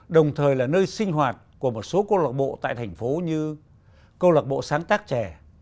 đồng thời là nơi sinh hoạt của một số cô lội bộ tại thành phố như câu lạc bộ sáng tác trẻ